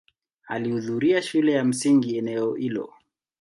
Alihudhuria shule ya msingi eneo hilo.